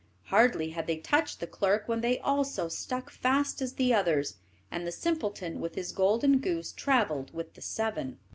Hardly had they touched the clerk when they also stuck fast as the others, and the simpleton with his golden goose travelled with the seven.